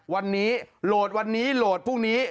วันนี้โหลดวันนี้โหลดพรุ่งนี้